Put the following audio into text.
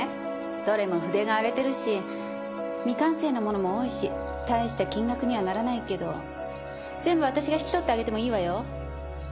どれも筆が荒れてるし未完成のものも多いし大した金額にはならないけど全部私が引き取ってあげてもいいわよ。